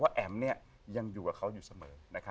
ว่าแอ๋มเนี่ยยังอยู่กับเขาอยู่เสมอนะครับ